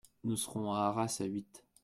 Nous serons à Arras à huit.